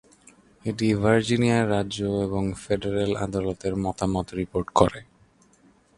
এটি ভার্জিনিয়ার রাজ্য এবং ফেডারেল আদালতের মতামত রিপোর্ট করে।